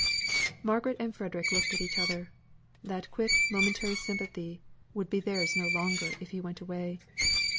Margaret and Frederick looked at each other. That quick momentary sympathy would be theirs no longer if he went away.